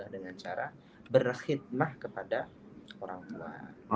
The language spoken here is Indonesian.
dengan cara berkhidmat kepada orang tua